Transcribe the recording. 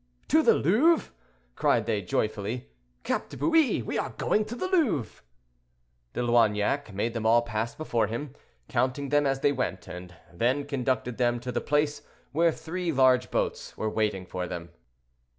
"To the Louvre!" cried they, joyfully. "Cap de Bious! we are going to the Louvre." De Loignac made them all pass before him, counting them as they went, and then conducted them to the place where three large boats were waiting for them.